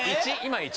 １？